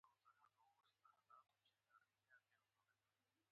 په ژوند کې مې د لومړي ځل لپاره د اوښ له سپرلۍ خوند واخیست.